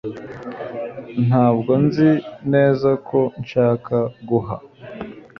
Ntabwo nzi neza ko nshaka guha